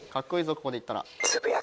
ここでいったら。